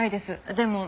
「でも」？